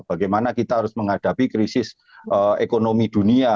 bagaimana kita harus menghadapi krisis ekonomi dunia